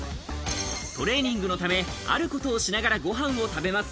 トレーニングのため、あることをしながらご飯を食べます。